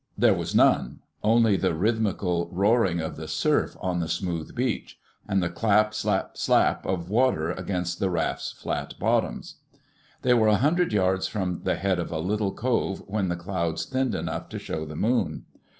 There was none—only the rhythmical roaring of the surf on the smooth beach, and the slap slap slap of water against the rafts' flat bottoms. They were a hundred yards from the head of a little cove when the clouds thinned enough to show the moon.